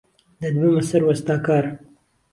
دهتبهمه سەر وەستاکار